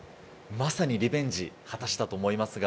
まさにリベンジを果たしたと思います。